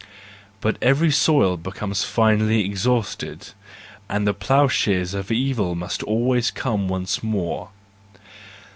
But every soil be¬ comes finally exhausted, and the ploughshare of evil must always come once more.